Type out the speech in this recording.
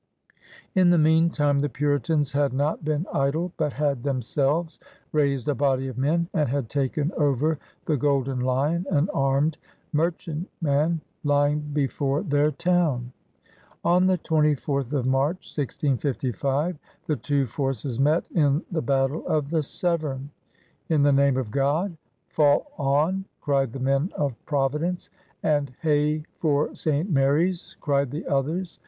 In the meantime the Puritans had not been idle, but had themselves raised a body of men and had taken over the Golden Lyon, an armed merchantman lying before their town. On the 24th of March, 1655, the two forces met in the Battle of the Severn. '"In the name of God, fall on! cried the men of Providence, and "Hey for St. Mary's! cried the others.